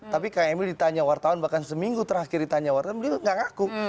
tapi kang emil ditanya wartawan bahkan seminggu terakhir ditanya wartawan beliau gak ngaku